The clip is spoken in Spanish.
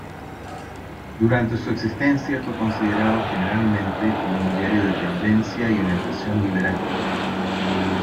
Durante su existencia fue considerado generalmente como un diario de tendencia y orientación liberal.